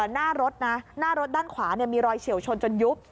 หน้ารถนะหน้ารถด้านขวามีรอยเฉียวชนจนยุบ